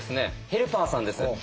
ヘルパーさんです。